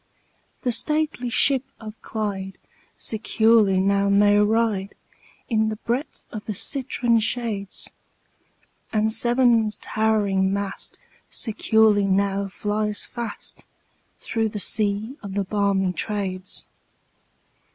The stately ship of Clyde securely now may ride, In the breath of the citron shades; And Severn's towering mast securely now flies fast, Through the sea of the balmy Trades.